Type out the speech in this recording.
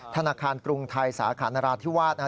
ธนาคารกรุงไทยสาขานราชที่วาดนะครับ